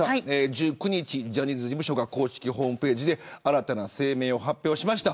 １９日ジャニーズ事務所が公式ホームページで新たな声明を発表しました。